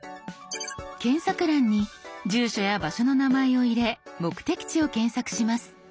検索欄に住所や場所の名前を入れ目的地を検索します。